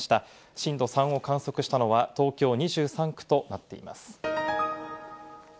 震度３を観測したのは東京２３区となっています。